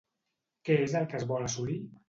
Què és el que es vol assolir?